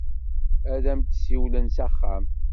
Ad am-d-siwlen s axxam.